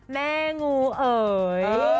แม่งูเอ๋ย